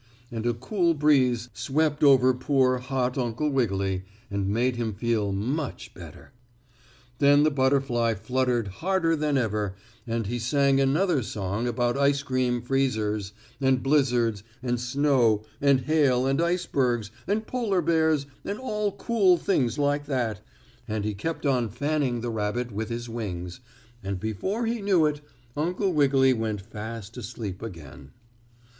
And a cool breeze swept over poor, hot Uncle Wiggily, and made him feel much better. Then the butterfly fluttered harder than ever, and he sang another song about ice cream freezers and blizzards and snow and hail and icebergs and polar bears and all cool things like that, and he kept on fanning the rabbit with his wings, and before he knew it Uncle Wiggily went fast asleep again.